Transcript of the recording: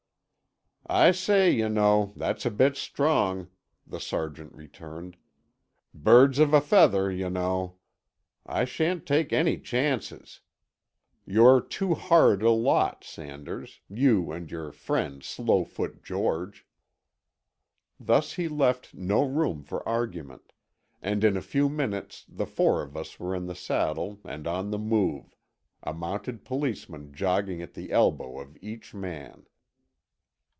"I say y'know, that's a bit strong," the sergeant returned. "'Birds of a feather,' y'know. I shan't take any chances. You're too hard a lot, Sanders; you and your friend Slowfoot George." Thus he left no room for argument; and in a few minutes the four of us were in the saddle and on the move, a Mounted Policeman jogging at the elbow of each man.